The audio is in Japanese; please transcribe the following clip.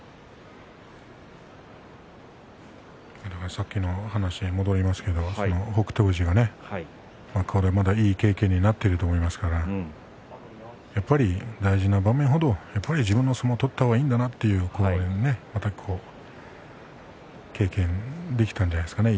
さっきの話に戻りますけれども北勝富士がいい経験になっていると思いますから大事な場面程自分の相撲を取った方がいいんだなという経験ができたんじゃないですかね